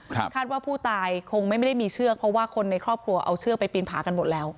คาดว่าผู้ตายคงไม่ได้มีเชือกเพราะว่าคนในครอบครัวเอาเชือกไปปีนผากันหมดแล้ว